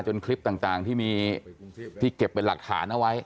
คลิปต่างที่มีที่เก็บเป็นหลักฐานเอาไว้